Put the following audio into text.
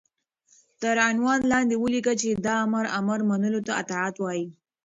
تر عنوان لاندې وليكه چې دآمر امر منلو ته اطاعت وايي